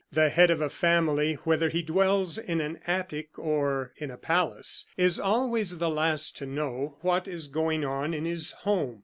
The head of a family, whether he dwells in an attic or in a palace, is always the last to know what is going on in his home.